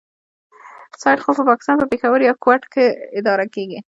سایټ خو په پاکستان په پېښور يا کوټه کې اداره کېږي.